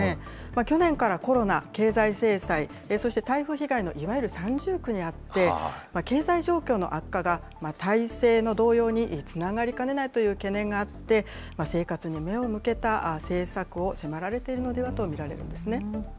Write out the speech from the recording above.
去年からコロナ、経済制裁、そして台風被害のいわゆる三重苦にあって、経済状況の悪化が体制の動揺につながりかねないという懸念があって、生活に目を向けた政策を迫られているのではと見られているんですね。